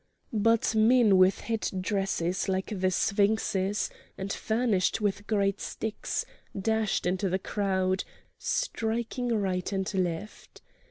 But men with head dresses like the Sphinx's, and furnished with great sticks, dashed into the crowd, striking right and left.